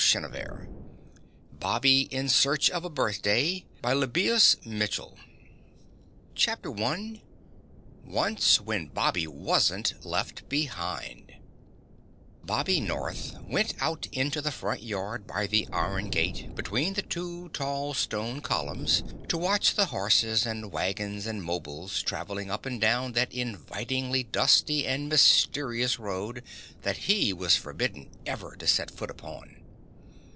BOBBY IN SEARCH OF A BIRTHDAY CHAPTER I ONCE WHEN BOBBY WASN'T LEFT BEHIND Bobby North went out into the front yard by the iron gate between the two tall stone columns to watch the horses and wagons and 'mobiles traveling up and down that invitingly dusty and mysterious road that he was forbidden ever to set foot upon.